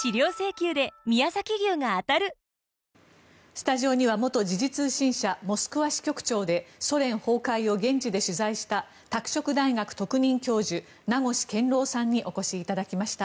スタジオには元時事通信社モスクワ支局長でソ連崩壊を現地で取材した拓殖大学特任教授名越健郎さんにお越しいただきました。